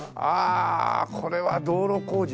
あこれは道路工事だな。